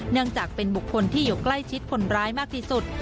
เนื่องจากเป็นบุคคลที่อยู่ใกล้ชิดคนร้ายมากที่สุด